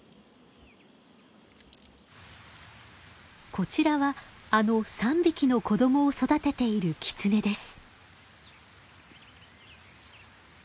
こちらはあの３匹の子供を育てているキツネです。